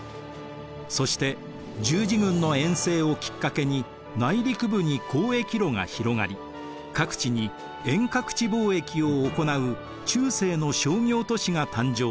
そして十字軍の遠征をきっかけに内陸部に交易路が広がり各地に遠隔地貿易を行う中世の商業都市が誕生しました。